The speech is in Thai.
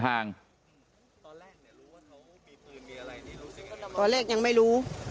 คุณปวรุษนั้นตอนแรกยังไม่รู้